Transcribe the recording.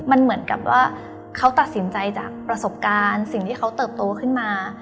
มันเหมือนกับว่าเขาตัดสินใจจากประสบการณ์สิ่งที่เขาเติบโตขึ้นมา